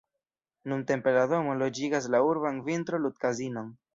Nuntempe la domo loĝigas la urban vintro-ludkazinon.